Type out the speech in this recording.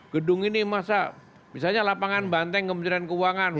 gedung ini masa misalnya lapangan banteng kementerian keuangan